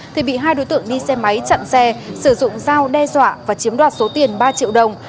thì bị hai đối tượng đi xe máy chặn xe sử dụng dao đe dọa và chiếm đoạt số tiền ba triệu đồng